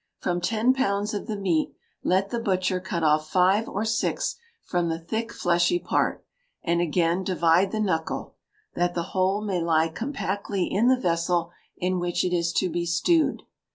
From ten pounds of the meat let the butcher cut off five or six from the thick fleshy part, and again divide the knuckle, that the whole may lie compactly in the vessel in which it is to be stewed.